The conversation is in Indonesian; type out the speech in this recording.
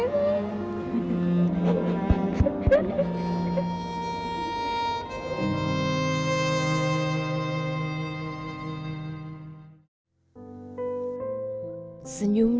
cinta aku sendiri